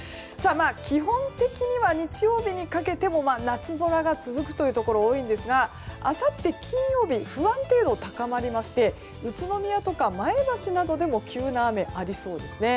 基本的には日曜日にかけても夏空が続くというところが多いんですがあさって金曜日、不安定度が高まりまして宇都宮とか前橋などでも急な雨がありそうです。